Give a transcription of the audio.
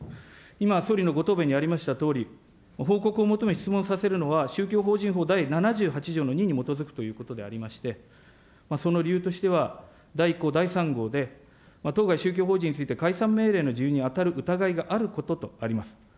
今、総理のご答弁にありましたとおり、報告を求め質問させるのは、宗教法人法第７８条の２に基づくということでありまして、その理由としては、第１項第３号で、当該宗教法人について解散命令の事由に当たる疑いがあることとあります。